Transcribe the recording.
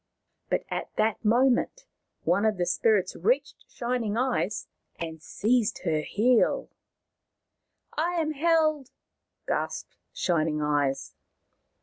But at that moment one of the spirits reached Shining Eyes and seized her heel. " I am held," gasped Shining Eyes.